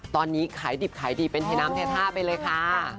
ตอนนี้ขายดิบขายดีเป็นเทน้ำเทท่าไปเลยค่ะ